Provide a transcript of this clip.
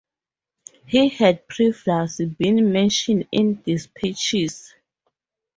He had previously been mentioned in dispatches.